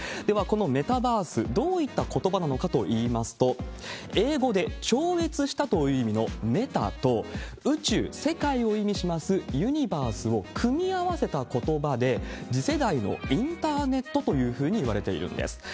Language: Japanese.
では、このメタバース、どういったことばなのかといいますと、英語で超越したという意味のメタと、宇宙、世界を意味しますユニバースを組み合わせたことばで、次世代のインターネットというふうにいわれているんです。